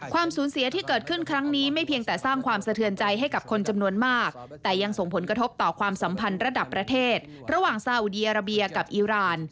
ความสูญเสียที่เกิดขึ้นครั้งนี้ไม่เพียงแต่สร้างความสะเทือนใจให้กับคนจำนวนมากแต่ยังส่งผลกระทบต่อความสัมพันธ์ระดับประเทศระหว่างซาอุดีอาราเบียกับอีราน